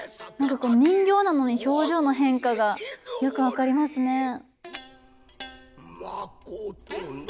何か人形なのに表情の変化がよく分かりますね。